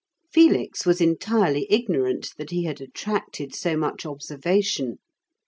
Felix was entirely ignorant that he had attracted so much observation.